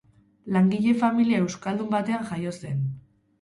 Langile-familia euskaldun batean jaio zen.